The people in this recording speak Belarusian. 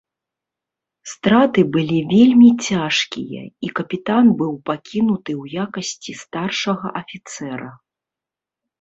Страты былі вельмі цяжкія, і капітан быў пакінуты ў якасці старшага афіцэра.